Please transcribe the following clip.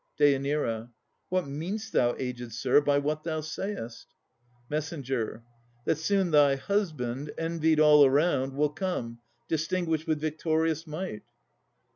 DÊ. What mean'st thou, aged sir, by what thou sayest? MESS. That soon thy husband, envied all around, Will come, distinguished with victorious might.